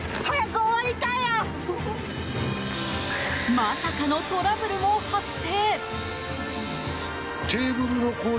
まさかのトラブルも発生。